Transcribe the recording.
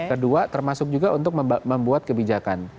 kedua termasuk juga untuk membuat kebijakan